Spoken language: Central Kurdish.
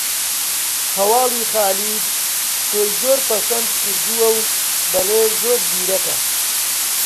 هەواڵی خالید تۆی زۆر پەسند کردووە و دەڵێ زۆر زیرەکە